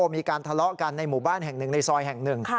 มีการทะเลาะกันในหมู่บ้านแห่งหนึ่งในซอยแห่งหนึ่ง